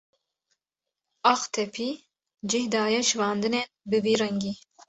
Aqtepî cih daye şibandinên bi vî rengî.